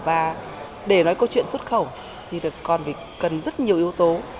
và để nói câu chuyện xuất khẩu thì còn cần rất nhiều yếu tố